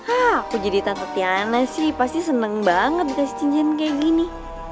ah aku jadi tante tiana sih pasti senang banget dikasih cincin kayak gini